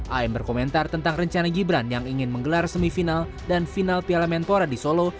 am berkomentar tentang rencana gibran yang ingin menggelar semifinal dan final piala menpora di solo